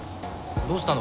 どうしたの？